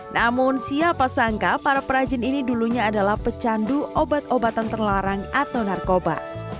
namun siapa sangka para perajin ini dulunya adalah pecandu obat obatan terlarang atau narkoba